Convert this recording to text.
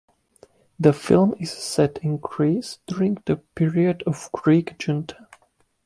The film is set in Greece during the period of the Greek junta.